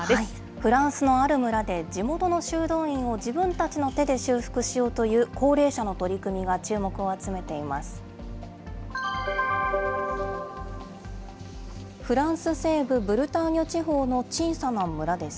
フランスのある村で、地元の修道院を自分たちの手で修復しようという、高齢者の取り組みが注目を集めています。